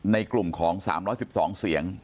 ในกลุ่มของ๓๑๒เสียง